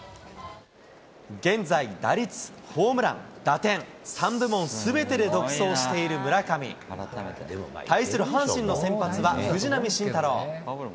現在、打率、ホームラン、打点、３部門すべてで独走している村上。対する阪神の先発は藤浪晋太郎。